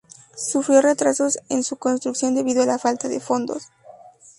Sufrió retrasos en su construcción debido a la falta de fondos.